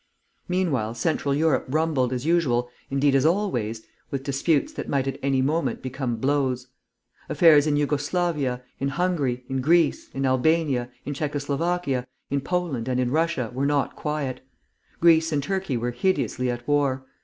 Meanwhile Central Europe rumbled, as usual, indeed as always, with disputes that might at any moment become blows. Affairs in Jugo Slavia, in Hungary, in Greece, in Albania, in Czecho Slovakia, in Poland, and in Russia, were not quiet. Greece and Turkey were hideously at war.